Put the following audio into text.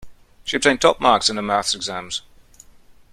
She obtained top marks in her maths exams.